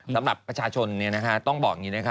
สำหรับประชาชนต้องบอกอย่างนี้นะคะ